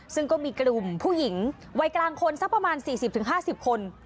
ซึ่งก็มีกลุ่มผู้หญิงวัยกลางคนสักประมาณ๔๐๕๐คน